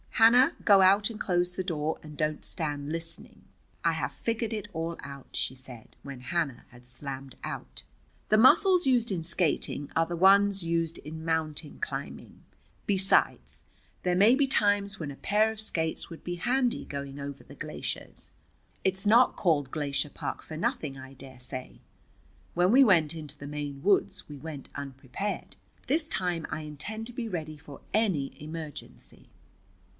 "Hannah, go out and close the door, and don't stand listening. I have figured it all out," she said, when Hannah had slammed out. "The muscles used in skating are the ones used in mountain climbing. Besides, there may be times when a pair of skates would be handy going over the glaciers. It's not called Glacier Park for nothing, I dare say. When we went into the Maine woods we went unprepared. This time I intend to be ready for any emergency."